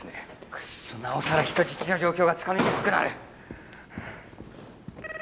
くっそ、なおさら人質の状況がつかみにくくなる！